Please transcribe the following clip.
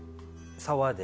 沢で。